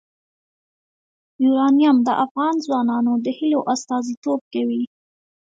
یورانیم د افغان ځوانانو د هیلو استازیتوب کوي.